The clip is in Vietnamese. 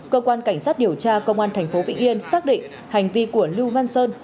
cơ quan cảnh sát điều tra công an tp vĩnh yên xác định hành vi của lưu văn sơn